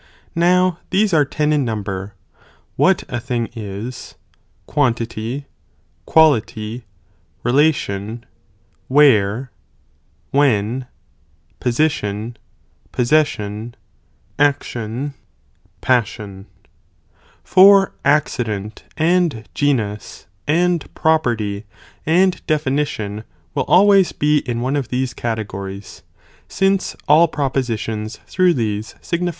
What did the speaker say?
Now these are ten in num ber; what a thing is, quantity, quality, relation, where, when, position, possession, action, pas sion,{ for accident, and genus, and property, and definition will always be in one of these categories, since all propositions through these signify either 1.